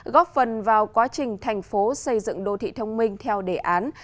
góp phần vào quá trình thành phố xây dựng đô thị thông minh theo đề án